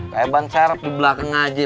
kayak ban serep di belakang aja